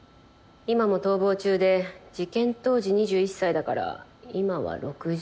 今も逃亡中で事件当時２１歳だから今は６４歳って事ね。